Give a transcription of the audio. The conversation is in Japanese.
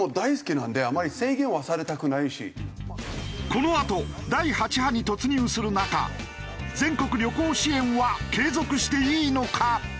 このあと第８波に突入する中全国旅行支援は継続していいのか？